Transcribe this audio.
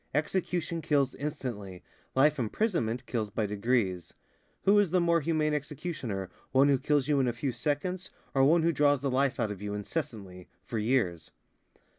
Execution kills instantly, life imprisonment kills by degrees. Who is the more humane executioner, one who kills you in a few seconds or one who draws the life out of you incessantly, for years?"